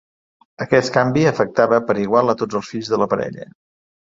Aquest canvi afectava per igual a tots els fills de la parella.